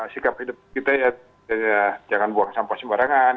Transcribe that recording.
sikap hidup kita ya jangan buang sampah sembarangan